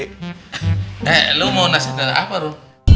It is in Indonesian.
eh lo mau nasihat dari apa ru